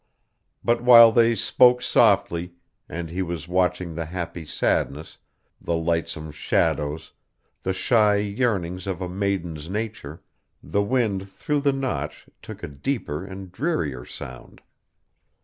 But while they spoke softly, and he was watching the happy sadness, the lightsome shadows, the shy yearnings of a maiden's nature, the wind through the Notch took a deeper and drearier sound.